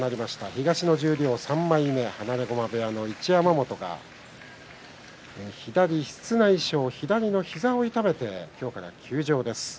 東の十両３枚目放駒部屋の一山本が左膝内障左の膝を痛めて今日から休場です。